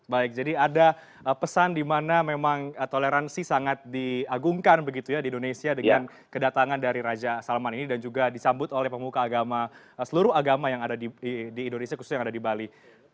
baik jadi ada pesan di mana memang toleransi sangat diagungkan begitu ya di indonesia dengan kedatangan dari raja salman ini dan juga disambut oleh pemuka agama seluruh agama yang ada di indonesia khususnya yang ada di bali